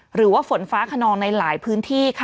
หรือว่าฝนฟ้าขนองในหลายพื้นที่ค่ะ